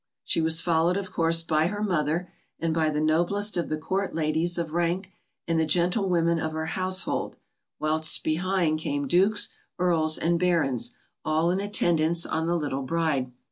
She was followed, of course, by her mother, and by the noblest of the court ladies of rank, and the gentlewomen of her household, whilst behind came dukes, earls, and barons, all in attendance on the little bride.